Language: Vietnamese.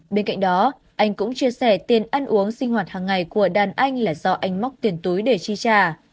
bên cạnh đó anh cũng chia sẻ tiền ăn uống sinh hoạt hàng ngày của đàn anh là do anh móc tiền túi để chi trả